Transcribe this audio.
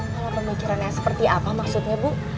cara pemikirannya seperti apa maksudnya bu